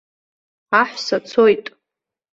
Аҳәса цоит.